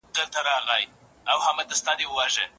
مېږي مېږي ته وويل ته خو مېږه يې .